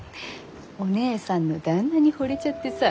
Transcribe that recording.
お姐さんの旦那にほれちゃってさ。